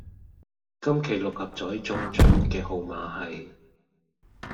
今期六合彩中獎嘅號係